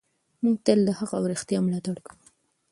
موږ تل د حق او رښتیا ملاتړ کوو.